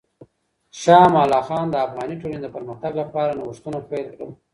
شاه امان الله خان د افغاني ټولنې د پرمختګ لپاره نوښتونه پیل کړل.